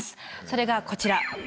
それがこちら。